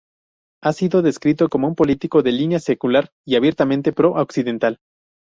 Ha sido descrito como un político de línea secular y abiertamente pro-occidental.